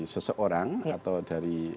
seseorang atau dari